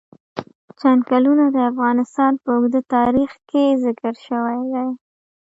چنګلونه د افغانستان په اوږده تاریخ کې ذکر شوی دی.